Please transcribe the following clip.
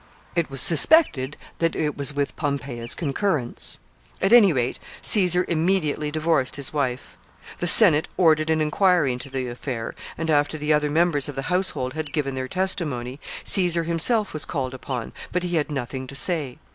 It was suspected that it was with Pompeia's concurrence. At any rate, Caesar immediately divorced his wife. The Senate ordered an inquiry into the affair, and, after the other members of the household had given their testimony, Caesar himself was called upon, but he had nothing to say.